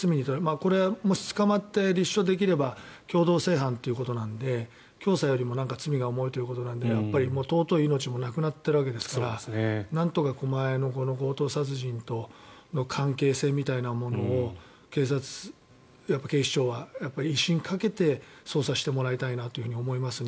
これ、もし捕まって立証できれば共同正犯ということなので教唆よりも罪が重いということなので尊い命もなくなっているわけですからなんとか、狛江の強盗殺人との関係性みたいなものを警察、警視庁は威信をかけて捜査してもらいたいなと思いますね。